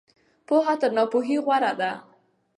پوهه تر ناپوهۍ غوره ده.